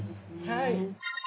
はい。